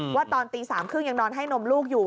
ว่าตอนตี๓๓๐ยังนอนให้นมลูกอยู่